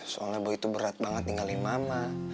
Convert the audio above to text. soalnya boy tuh berat banget tinggalin mama